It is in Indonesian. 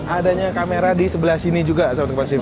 adanya kamera disebelah sini juga sahabat kompas tv